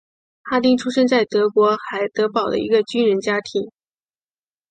哈丁出生在德国海德堡的一个军人家庭。